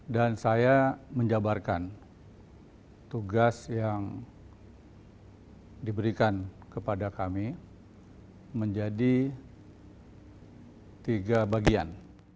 dan saya menjabarkan tugas yang diberikan kepada kami menjadi tiga bagian